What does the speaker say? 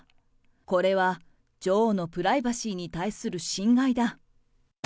これは女王のプライバシーに対する侵害だ。